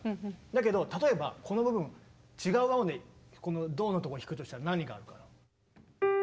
だけど例えばこの部分違う和音でこのドのとこ弾くとしたら何があるかな？